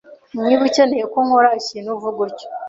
Niba ukeneye ko nkora ikintu, vuga utyo.